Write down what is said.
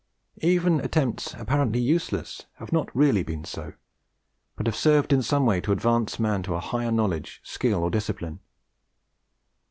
Even attempts apparently useless have not really been so, but have served in some way to advance man to higher knowledge, skill, or discipline.